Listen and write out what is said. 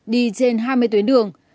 đi trên hai mươi tuyến đường